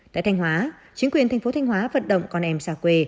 tại thanh hóa chính quyền thành phố thanh hóa vận động con em xa quê